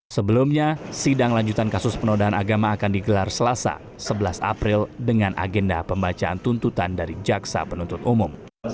sebelumnya sidang lanjutan kasus penodaan agama akan digelar selasa sebelas april dengan agenda pembacaan tuntutan dari jaksa penuntut umum